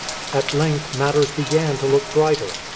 At length matters began to look brighter.